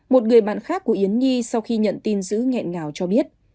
một người bạn khác của yến nhi sau khi nhận tin giữ nghẹn ngào cho biết